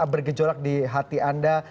bergejolak di hati anda